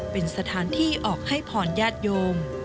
เป็นสถานที่ออกให้พรญาติโยม